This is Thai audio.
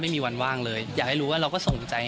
ไม่มีอะไรจะโชว์แล้วพี่